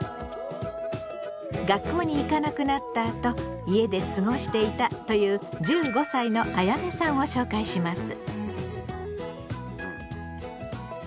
学校に行かなくなったあと家で過ごしていたという１５歳のあやねさんを紹介します。